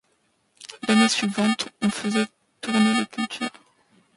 L'année suivante, on faisait tourner les cultures.